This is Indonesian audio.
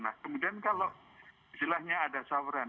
nah kemudian kalau istilahnya ada sauran